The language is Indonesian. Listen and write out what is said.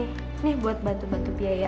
ini buat bantu bantu biaya